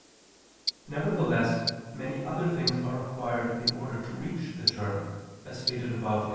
Nevertheless, many other things are required in order to reach the term, as stated above (A.